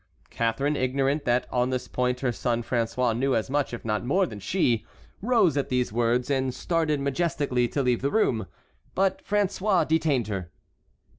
Catharine, ignorant that on this point her son François knew as much if not more than she, rose at these words and started majestically to leave the room, but François detained her.